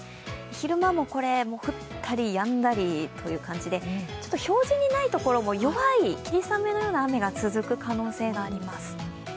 昼間も降ったりやんだりという感じで表示にないところも弱い霧雨のような雨が続く可能性があります。